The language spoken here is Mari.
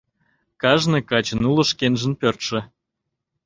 Кажне качын уло шкенжын пӧртшӧ